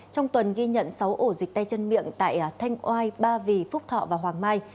trong tuần ghi nhận sáu ổ dịch tay chân miệng tại thanh oai ba vì phúc thọ và hoàng mai